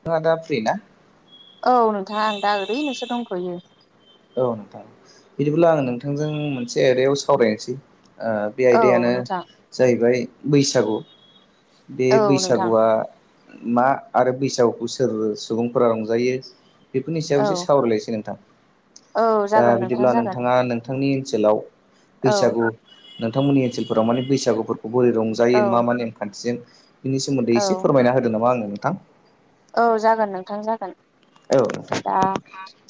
नोंथाङा दा फ्रिना? औ नोंथां आं दा ओरैनोसो दंथ'यो। औ नोंथां बिदिब्ला आङो नोंथांजों मोनसे आयदायाव सावरायनोसै। बे औ आयदायानो नोंथां जाहैबाय बैसागु। बे औ नोंथां बैसागुआ मा आरो बैसागुखौ सोर सुबुंफोरा रंजायो। बेफोरनि औ सायावसो सावरायलायसै नोंथां। औ दा जागोन नोंथां बिदिब्ला जागोन नोंथाङा नोंथांनि ओनसोलाव औ बैसागु नोंथांमोननि ओनसोलफोराव माने बैसागुफोर खौ बोरै औ रंजायो मा मा नेमखान्थिजों बिनि सोमोन्दै एसे औ फोरमायना होदो नामा आंनो नोंथां। औ जागोन नोंथां जागोन। औ नोंथां दा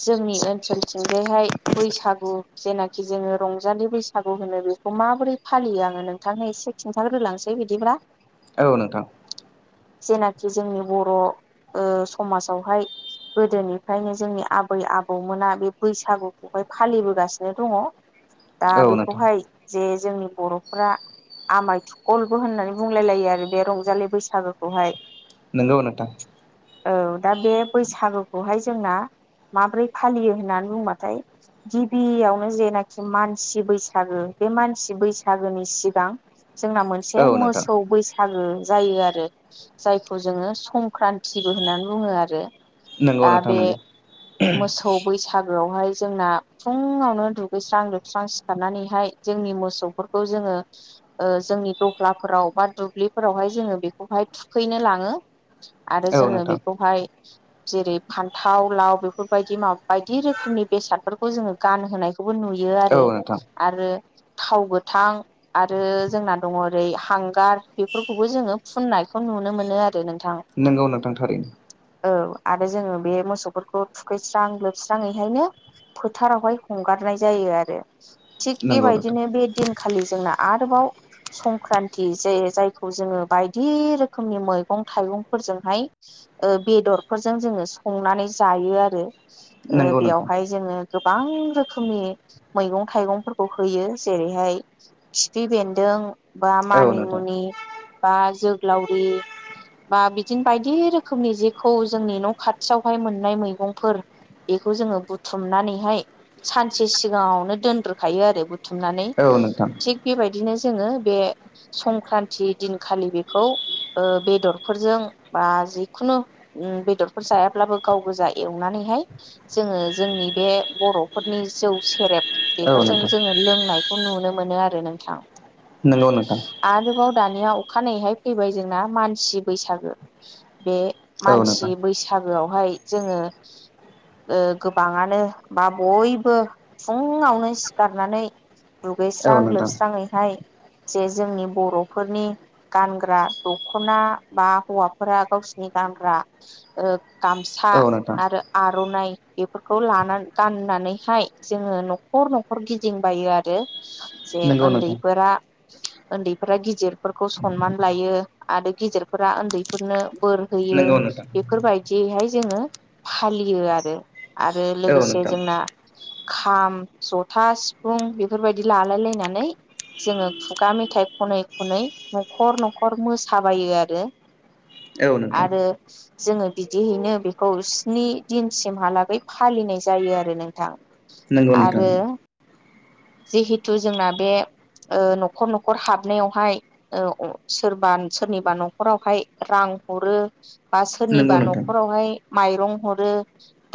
जोंनि ओनसोलथिंजायहाय बैसागु जेनाखि जोङो रंजालि बैसागु होनो बेखौ माबोरै फालियो आङो नोंथांनो एसे खिन्थाग्रोलांसै बिदिब्ला औ नोंथां। जेनाखि जोंनि बर' ओ समाजावहाय गोदोनिफ्रायनो जोंनि आबै आबौमोना बे बैसागुखौहाय फालिबोगासिनो दङ। दा औ नोंथां बेखौहाय जे जोंनि बर'फोरा आमाइथिखलबो होननानै बुंलाय लायो आरो बे रंजालि बैसागोखौहाय। नोंगौ नोंथां। औ दा बे बैसागुखौहाय जोंना माब्रै फालियो होननानै बुंबाथाय गिबियावनो जेनाखि मानसि बैसागो बे मानसि बैसागोनि सिगां जोंना औ मोनसे नोंथां मोसौ बैसागो जायो आरो जायखौ जोङो सं क्रान्तिबो होननानै बुङो आरो। नंगौ दा नोंथां बे नंगौ मोसौ बैसागोआवहाय जोंना फुङावनो दुगैस्रां लोबस्रां सिखारनानैहाय जोंनि मोसौफोरखौ जोङो। ओ जोंनि दख्लाफोराव बा दुब्लिफोरावहाय जोङो बेखौहाय थुखैनो लाङो। आरो औ जोङो नोंथां बेखौहाय जेरै फान्थाव लाव बेफोरबायदि माबा बायदि रोखोमनि बेसादफोरखौ जोङो गानहोनाय बेखौबो नुयो औ आरो नोंथां आरो थाव गोथां आरो जोंना दङ ओरै हांगार बेफोरखौबो जोङो फुननायखौ नुनो मोनो आरो नोंथां नोंगौ नोंथांथारैनो। औ आरो जोङो बे मोसौफोरखौ थुखैस्रां लोबस्राङैहायनो फोथारावहाय हंगारनाय जायो आरो थिग नंगौ नोंथां बेबायदिनो बे दिनखालि जोंना आरोबाव संक्रान्ति जे जायखौ जोङो बायदि रोखोमनि मैगं थाइगं फोरजोंहाय ओ बेदरफोरजों जोङो संनानै जायो आरो। ओ नंगौ नोंथां बेयावहाय जोङो गो बां रोखोमनि मैगं थाइगंफोरखौ होयो जेरैहाय खिफि बेन्दों बा औ नोंथां मानिमुनि बा जोग्लावरि बा बिदिनो बायदि रोखोमनि जेखौ जोंनि न' खाथियावहाय मोननाय मैगंफोर बेखौ जोङो बुथुमनानैहाय सानसे सिगाङावनो दोनग्रोखायो आरो बुथुमनानै औ नोंथां थिग बेबायदिनो जोङो बे संक्रान्ति दिनखालि बेखौ ओ बेदर फोरजों बा जिखुनु ओम बेदरफोर जायाब्लाबो गाव गोजा एवनानैहाय जो ओ जोंनि बे बर'फोरनि जौ सेरेब औ बेफोरजों नोंथां जोङो लोंनायखौ नुनो मोनो आरो नोंथां। नोंगौ नोंथां। आरोबाव दानिया अखानायैहाय फैबाय जोंना मानसि बैसागो। बे औ मानसि नोंथां बैसागोआवहाय जोङो ओ गोबाङानो बा बयबो फुङावनो सिखारनानै दुगैस्रां औ नोंथां लोबस्राङैहाय जे जोंनि बर'फोरनि गानग्रा दख'ना बा हौवाफोरा गावसिनि गानग्रा ओ गामसा औ नोंथां आरो आर'नाइ बेफोरखौ लाना गाननानैहाय जोङो न'खर न'खर गिदिंबायो आरो। जे नंगौ नोंथां ओन्दैफोरा ओन्दैफोरा गिदिरफोरखौ सनमान लायो आरो गिदिरफोरा ओन्दैफोरनो बोर होयो नंगौ नोंथां बेफोरबायदियैहाय जोङो फालियो आरो। आरो औ लोगोसे नोंथां जोंना खाम जथा सिफुं बेफोरबायदि लालाय लायनानै जोङो खुगा मेथाइ खनै खनै न'खर न'खर मोसाबायो आरो रो औ नोंथां आरो जोङो बिदिहैनो बेखौ स्नि दिनसिमहालागै फालिनाय जायो आरो नोंथां। नोंगौ नोंथां। आरो जिहेथु जोंना बे ओ न'खर न'खर हाबनायावहाय ओ अ सोरबा सोरनिबा न' नखरावहाय रां हरो बा नंगौ सोरनिबा नोंथां न'खरावहाय माइरं हरो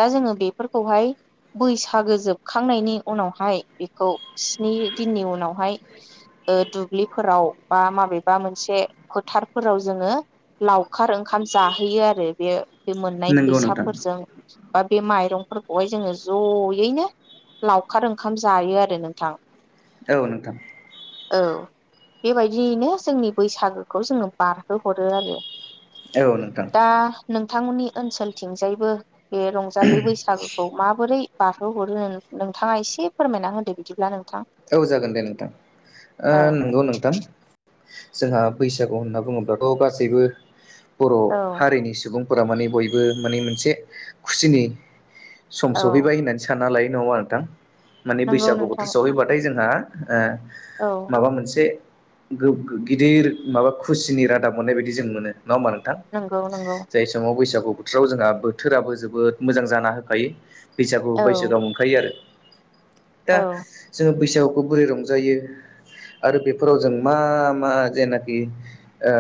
दा जोङो बेफोरखौहाय बैसागो जोबखांनायनि उनावहाय बेखौ स्नि दिननि उनावहाय ओ दुब्लिफोराव बा माबेबा मोनसे फोथारफोराव जोङो लावखार ओंखाम जाहोयो आरो बे बे मोननाय नंगौ नोंथां फैसाफोरजों बा बे माइरंफोरखौहाय जोङो ज'यैनो लावखार ओंखाम जायो आरो नोंथां। औ नोंथां। औ बेबायदियैनो जोंनि बैसागोखौ जोङो बारहोहरो आरो। औ नोंथां दा नों नोंथांमोननि ओनसोलथिंजायबो बे रंजालि बैसागोखौ माबोरै बारहोहरो नों थाङा एसे फोरमायना होदो बिदिब्ला नों औ जागोन दे नोंथां, ओ औ नोंगौ नोंथां। जोंहा बैसागु होनना बुङोब्लाथ' गासैबो बर' औ हारिनि सुबुं फोरा माने बयबो माने मोनसे खुसिनि सम औ सहैबाय होननानै सानना लायो। [unintelligible] नोंथां माने नंगौ बैसागु बोथोर नोंथां सहैबाथाय जोंहा ओ औ माबा मोनसे बेयाव गिदिर माबा खुसिनि रादाब मोननाय बायदि जों मोनो। नङा होमबा नोंथां? नंगौ नंगौ जाय समाव बैसागु बोथोराव जोंहा बोथोराबो जोबोद मोजां जाना होखायो बैसागु औ बैसागु मोनखायो आरो। दा औ जोङो बैसागुखौ बोरै रंजायो? आरो बेफोराव जों मा मा जेनाखि ओ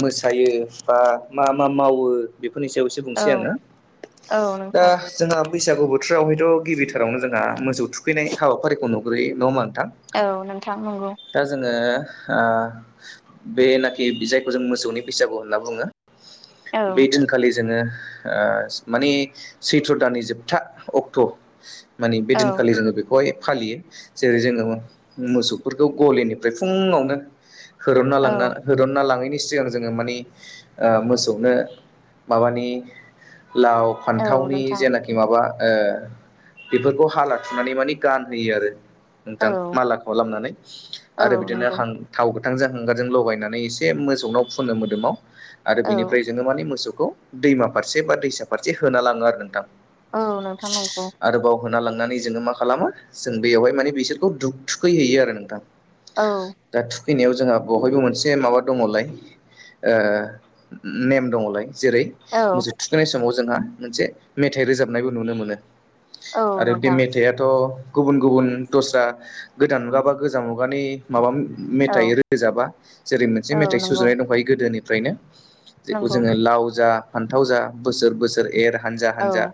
मोसायो बा मा मा मावो बेफोरनि सायावसो बुंनोसै औ आङो। औ दा नोंथां जोंहा बैसागु बोथोराव हायथ' गिबिथारावनो जोंहा मोसौ थुखैनाय हाबाफारिखौ नुग्रोयो नंङा होमबा नों नोंथां औ नोंथां नंगौ दा जोङो ओ बेनाखि बि जायखौ जों मोसौनि बैसागु होनना बुङो बै औ दिनखालि जोङो ओ माने सैथ्र दाननि जोबथा अक्ट' माने बे औ दिनखालि जोङो बेखौहाय फालियो। जेरै जोङो मोसौफोरखौ गलिनिफ्राय फुंङावनो हुरन्ना लांनो औ हुरन्ना लाङैनि सिगां जोङो मानि ओ मोसौनो माबानि लाव, औ फान्थावनि नोंथां जेनाखि माबा ओ बेफोरखौ हाला थुनानै माने गानहोयो आरो नोंथां। औ मालाखौ लामनानै औ आरो बिदिनो नंगौ हां थाव थांजों हांगारजों लगायनानै एसे मोसौनाव फुनो मोदोमाव आरो औ बिनिफ्राय जोङो माने मोसौ खौ दैमा फारसे बा दैसा फारसे होना लाङो आरो नोंथां। औ नोंथां नंगौ। आरोबाव होना लांनानै जोङो मा खालामो जों दैयावहाय माने बिसोरखौ दुग थुखै हैैयो आरो नोंथां। औ। फैनायाव जोंहा बहायबो मोनसे माबा दङ'लाय ओ नेम दङ'लाय। जेरै औ मोसौ थुखैनाय समाव जोंहा मोनसे मेथाइ रोजाबनायबो नुनो मोनो। औ आरो बे नोंथां मेथाइआथ' गुबुन गुबुन दस्रा गोदान मुगा बा गोजाम मुगानि माबा मेथाइ औ रोजाबा जेरै मोनसे औ मेथाइ नंगौ सुजुनाय दंखायो गोदोनिफ्रायनो। जेखौ नंगौ जोङो लाव जा फान्थाव जा बोसोर-बोसोर एर औ हानजा-हानजा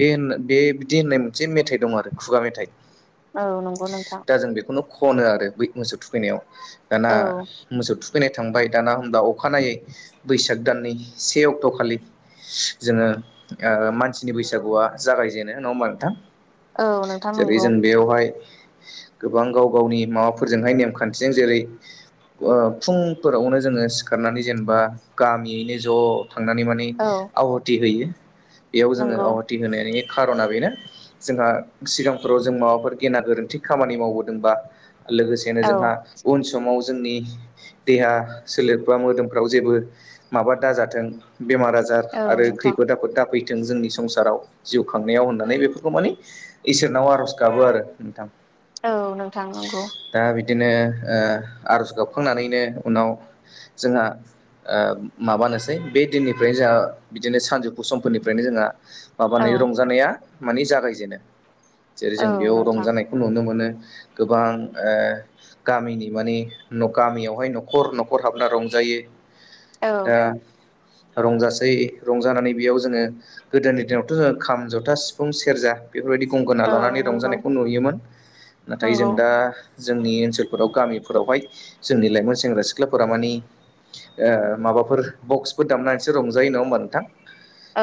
बे होन बे बिदि होननाय मोनसे मेथाइ दं आरो खुगा मेथाइ। औ नंगौ नोंथां। दा जों बेखौनो खनो आरो बै मोसौ थुखैनायाव दाना औ मोसौ थु खैनाय थांबाय दाना होमब्ला अखानायै बैसाग दाननि से अक्ट' खालि जोङो ओ मानसिनि बैसागुआ जागायजेनो नङा होमबा नोंथां? औ नोंथां नंगौ। ओमफाय गोबां गाव-गावनि माबाफोरजोंहाय नेमखान्थिजों जेरै- ओ फुंफोरावनो जोङो सिखारनानै जेनेबा गामियैनो ज' थांनानै माने औ आवहाथि होयो बेयाव जोङो नंगौ आवहाथि होनानै खार'ना बेनो जोंहा सिगांफोराव जों माबाफोर गेना गोरोन्थि खामानि मावबोदोंबा लोगोसेनो औ जोंहा उन समाव जोंनि देहा सोलेरफ्राव मोदोमफ्राव जेबो माबा दा जाथों बेमार-आजार औ आरो नोंथां खैफोद-आफफोद दा फै थों जोंनि संसाराव जिउ खांनायाव होननानै बेफोरखौ माने इसोरनाव आर'ज गाबो आरो नोंथां। औ नोंथां नंगौ। दिनो ओ आर'ज गाबखांनानैनो उनाव जोंहा ओ माबानोसै बे दिननिफ्रायनो जोंहा बिदिनो सानजौफु समफोरनिफ्रायनो जोंहा औ माबानाय रंजानाया माने जागायजेनो जेरै औ जों बेयाव नोंथां रंजानायखौ नुनो मोनो। गोबां ओ गामिनि माने न' गामियावहाय न'खर न'खर हाबना रंजा यो औ दा रंजासै रंजानानै बेयाव जोङो गोदोनि दिनावथ' जोंडो खाम, जथा, सिफुं, सेरजा बेफोरबायदि गंगोना औ लानानै नंगौ रंजानायखौ नुयोमोन नाथाय जों नंगौ दा जोंनि ओनसोलफोराव गामिफोरावहाय जोंनि लाइमोन सेंग्रा सिख्लाफोरा मानि। ओ माबाफोर बक्सफोर दामनानैसो रंजायो नङा होमबा नोंथां।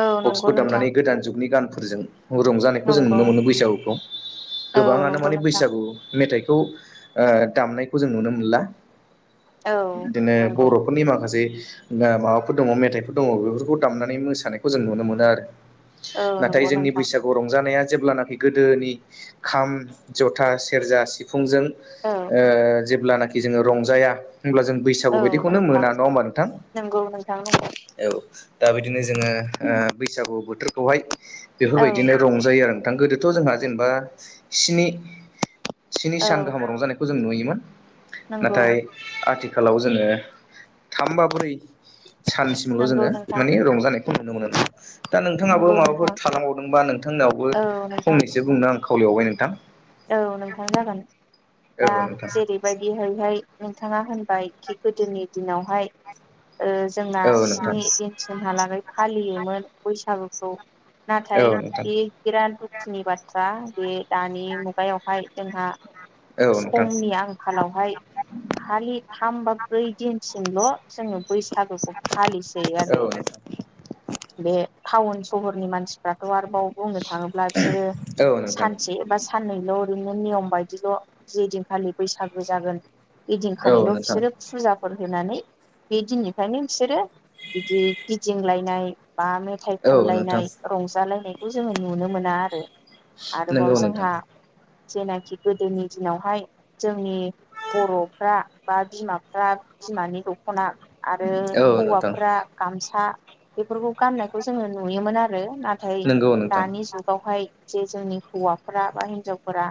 औ नंगौ नोंथां दामनानै गोदान जुगनि गानफोरजों रंजानायखौ जों नंगौ नुनो मोनो बैसागुखौ। औ गोबांङानो नंगौ माने नोंथां बैसागु। मेथाइखौ ओ दामनायखौ जों नुनो मोनला। औ बिदिनो नंगौ बर'फोरनि माखासे। ना माबाफोर दङ मेथाइफोर दङ बेफोरखौ दामनानै मोसानायखौ जों नुनो मोनो आरो। औ नाथाय नंगौ जोंनि नोंथां बैसागु रंजानाया जेब्लानाखि गोदोनि। खाम, जथा, सेरजा, सिफुंजों औ ओ जे ब्लानाखि जोङो रंजाया होब्ला जों बैसागु औ बायदिखौनो मोना नोंथां नङा होनोमबा नोंथां! नंगौ नोंथां नंगौ औ। दा बिदिनो जोङो ओ बैसागु बोथोरखौहाय औ बेफोरबायदिनो रंजायो आरो। गोदोथ' जोंहा जेनेबानि स्नि स्नि औ सान गाहाम रंजानायखौ जों नुयोमोन नंगौ नाथाय आथि आथिखालाव जोङो थाम बा ब्रै सानसिमल' नंगौ जोङो नोंथां माने रंजानाय नुनो मोनोन दा नोंथाङाबो नंगौ माबाफोर नोंथां थानांबावदोंबा नोंथांनावबो औ नोंथां फंनैसो बुंनो आं खावलाय बावबाय नोंथां। औ नोंथां जागोन। दा औ नोंथां जेरैबायदि हैहाय। नोंथाङा होनबाय खि गोदोनि दिनावहाय। ओ जोंना औ नोंथां स्नि दिनसिमहालागै फालियोमोन बैसागुखौ। औ नाथाय नोंथां बे बिराद दुखुनि बाथ्रा बे दानि मु गायावहाय जोंहा। औ नोंथां औ नोंथां समनि आंखालावहाय खालि थाम बा ब्रै दिन सिमल' जोङो बैसागुखौ फालिसयो आरो। बे टाउन सहरनि मानसिफ्राथ' आरो औ बुंनो थाङोब्ला बिसोरो औ नोंथां सानसे एबा सनैल'। ओरैनो नियम बायदिल' जे दिनखालि बैसागु जागोन। औ ओइदिनखालिल' नोंथां बिसोरो फुजाफोर होनानै बे दिननिफ्रायनो बिसोरो बिदि गिदिंलायनाय। ् बा मेथाइ औ नोंथां खनलायनाय रंजालायनायखौ जोङो नुनो मोना आरो। आरोबाव नंगौ नोंथां जोंहा जेनाखि गोदोनि दिनावहाय जोंनि बर'फ्रा बा बिमाफ्रा बिमानि दख'ना। आरो औ नोंथां हौवाफ्रा गामसा, बेफोरखौ गाननायखौ जोङो नुयोमोन आरो। नाथाय नंगौ नोंथां दानि जुगावहाय जे जोंनि हौवाफ्रा बा हिनजावफोरा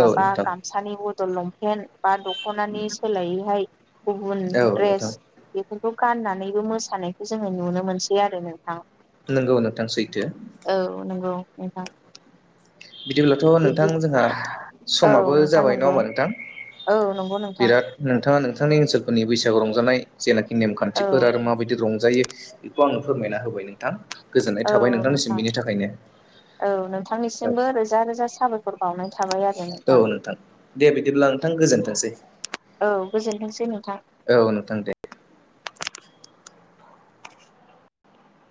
औ नोंथां गामसानि बदल लंपेन बा द ख'नानि सोलायैहाय गुबुन औ द्रेस नोंथां बेखौ गाननानैबो मोसानायखौ जोङो नुनो मोनसै आरो नों थां नंगौ नोंथां सैथो औ नंगौ नोंथां। बिदिब्लाथ' नोंथां बिदि जोंहा औ समाबो नोंथां जाबाय नङा नंगौ हबा नोंथां! औ नंगौ नोंथां बिराद नोंथाङा नोंथांनि ओनसोलफोरनि बैसागु रंजानाय जेनाखि औ नेमखान्थिफोर आरो माबायदि रंजायो बेखौ आंनो फोरमायना होबाय नोंथां। गोजोननाय औ थाबाय नोंथांनिसिम नोंथां बिनि थाखायनो। जोंबो रोजा रोजा साबायखर बावो। थाबाय आरो औ नोंथां दे बिदिब्ला नोंथां गोजोनथोंसै औ गोजोनथोंसै नोंथां। औ नोंथां दे।